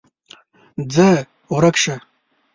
ځه ورک شه!